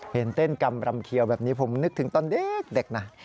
เห็นเต้นกำรำเขียวแบบนี้ผมนึกถึงตอนเด็กนะ